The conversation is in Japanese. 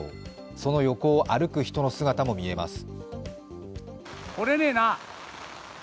その横を歩く人の姿も見えます。